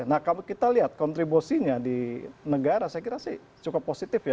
nah kalau kita lihat kontribusinya di negara saya kira sih cukup positif ya